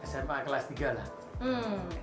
sma kelas tiga lah